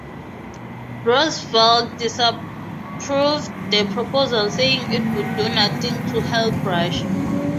Roosevelt "disapproved" the proposal saying it would do nothing to help Russia.